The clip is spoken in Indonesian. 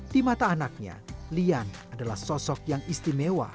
di mata anaknya lian adalah sosok yang istimewa